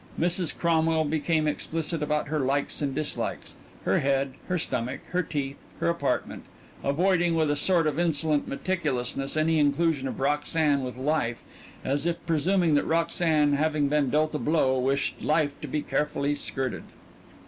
Mrs. Cromwell became explicit about her likes and dislikes, her head, her stomach, her teeth, her apartment avoiding with a sort of insolent meticulousness any inclusion of Roxanne with life, as if presuming that Roxanne, having been dealt a blow, wished life to be carefully skirted.